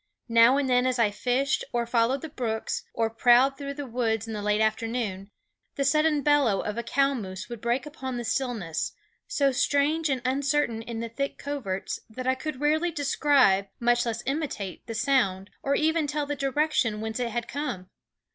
Now and then as I fished, or followed the brooks, or prowled through the woods in the late afternoon, the sudden bellow of a cow moose would break upon the stillness, so strange and uncertain in the thick coverts that I could rarely describe, much less imitate, the sound, or even tell the direction whence it had come.